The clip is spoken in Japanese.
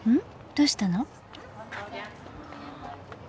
どうしたの？